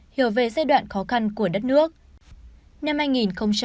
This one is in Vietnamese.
hiểu về giai đoạn khó khăn của đất nước